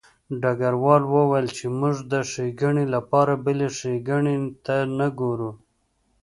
ډګروال وویل چې موږ د ښېګڼې لپاره بلې ښېګڼې ته نه ګورو